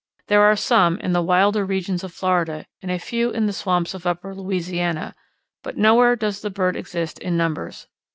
There are some in the wilder regions of Florida, and a few in the swamps of upper Louisiana, but nowhere does the bird exist in numbers.